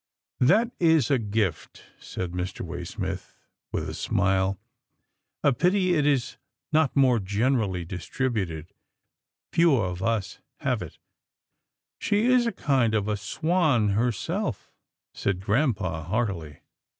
" That is a gift," said Mr. Waysmith with a 188 'TILDA JANE'S ORPHANS smile. " A pity it is not more generally distrib uted. Few of us have it." " She is a kind of a swan herself," said grampa heartily.